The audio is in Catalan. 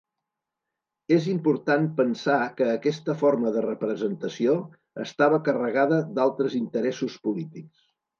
És important pensar que aquesta forma de representació estava carregada d'altres interessos polítics.